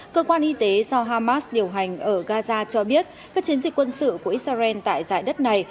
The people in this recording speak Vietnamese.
cơ quan y tế do hamas điều hành ở gaza cho biết các chiến dịch quân sự của israel tại giải đất này